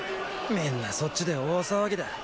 みんなそっちで大騒ぎだ。